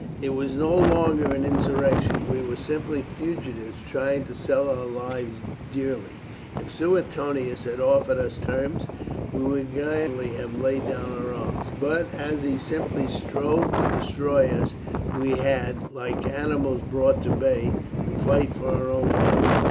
It was no longer an insurrection; we were simply fugitives trying to sell our lives dearly. If Suetonius had offered us terms we would gladly have laid down our arms, but as he simply strove to destroy us we had, like animals brought to bay, to fight for our own lives.